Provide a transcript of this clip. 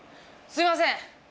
すいません！